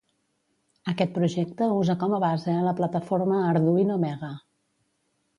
Aquest projecte usa com a base la plataforma Arduino Mega.